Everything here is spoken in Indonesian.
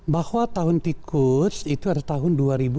bahwa tahun tikus itu ada tahun dua ribu dua